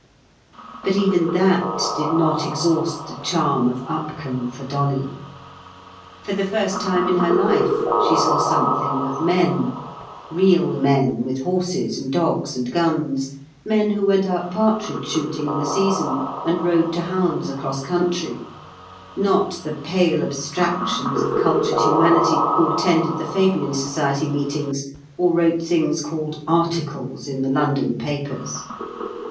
But even that did not exhaust the charm of Upcombe for Dolly. For the first time in her life, she saw something of men—real men, with horses and dogs and guns—men who went out partridge shooting in the season and rode to hounds across country, not the pale abstractions of cultured humanity who attended the Fabian Society meetings or wrote things called articles in the London papers.